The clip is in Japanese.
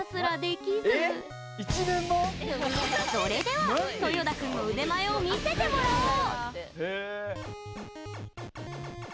それでは豊田君の腕前を見せてもらおう！